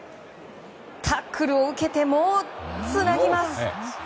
タックルを受けてもつなぎます！